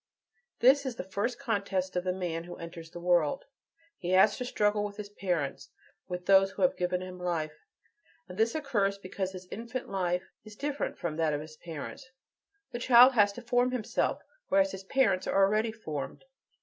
This is the first contest of the man who enters the world: he has to struggle with his parents, with those who have given him life. And this occurs because his infant life is "different" from that of his parents; the child has to form himself, whereas his parents are already formed.